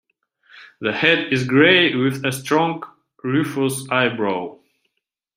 The head is grey with a strong rufous eyebrow.